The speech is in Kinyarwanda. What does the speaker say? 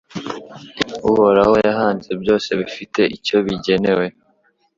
Uhoraho yahanze byose bifite icyo bigenewe